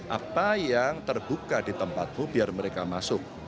apa yang terbuka di tempatmu biar mereka masuk